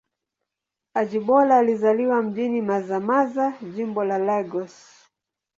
Ajibola alizaliwa mjini Mazamaza, Jimbo la Lagos.